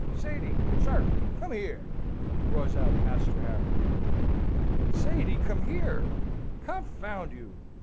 "Sady, sir, come here!" roars out Master Harry. "Sady, come here! Confound you!"